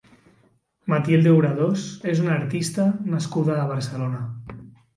Matilde obradors és una artista nascuda a Barcelona.